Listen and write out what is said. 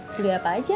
beli apa aja